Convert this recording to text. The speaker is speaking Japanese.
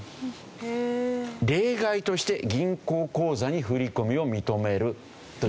例外として銀行口座に振り込みを認めるという。